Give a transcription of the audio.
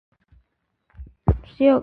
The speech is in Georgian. ასე იწყებს ირაკლი ანდღულაძე „ახალ წიგნს“.